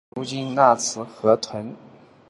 如今喀喇河屯行宫仅存遗址。